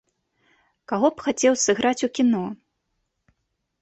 Каго б хацеў сыграць у кіно?